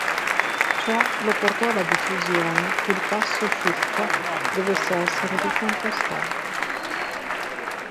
Ciò lo portò alla decisione che il passo Shipka dovesse essere riconquistato.